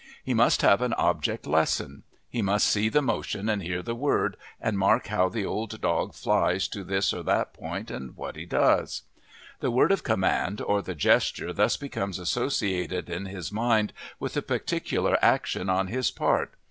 He must have an object lesson, he must see the motion and hear the word and mark how the old dog flies to this or that point and what he does. The word of command or the gesture thus becomes associated in his mind with a particular action on his part.